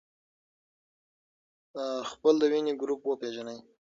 خپل د وینې ګروپ وپېژنئ.